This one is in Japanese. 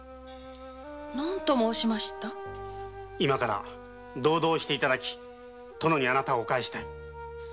今から同道して頂き殿にあなたをお返ししたい。